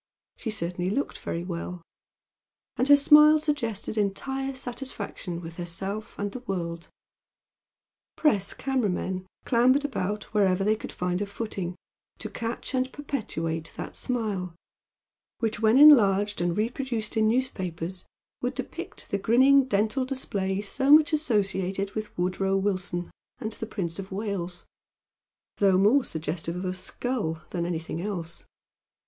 She certainly looked very well, and her smile suggested entire satisfaction with herself and the world. Press camera men clambered about wherever they could find a footing, to catch and perpetuate that smile, which when enlarged and reproduced in newspapers would depict the grinning dental display so much associated with Woodrow Wilson and the Prince of Wales, though more suggestive of a skull than anything else.